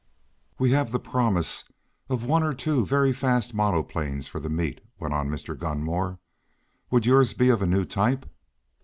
"We have the promise of one or two very fast monoplanes for the meet," went on Mr. Gunmore. "Would yours be of a new type?"